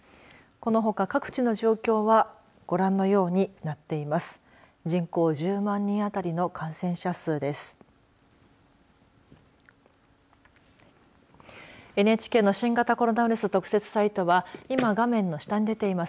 このほか各地の状況はご覧のようになっています。